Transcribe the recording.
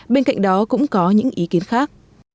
bên cạnh đó cũng có những ý kiến khác